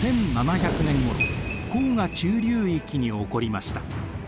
１７００年ごろ黄河中流域に起こりました。